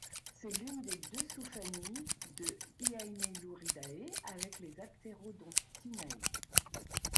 C'est l'une des deux sous-familles de Hyainailouridae avec les Apterodontinae.